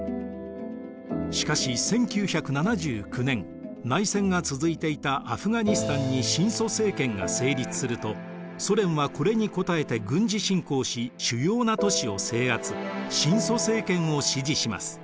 しかし１９７９年内戦が続いていたアフガニスタンに親ソ政権が成立するとソ連はこれに応えて軍事侵攻し主要な都市を制圧親ソ政権を支持します。